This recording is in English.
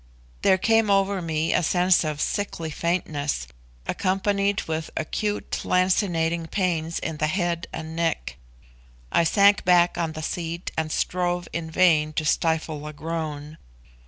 There came over me a sense of sickly faintness, accompanied with acute, lancinating pains in the head and neck. I sank back on the seat and strove in vain to stifle a groan.